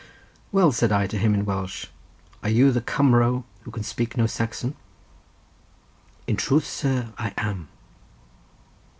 "Well," said I to him in Welsh, "are you the Cumro who can speak no Saxon?" "In truth, sir, I am."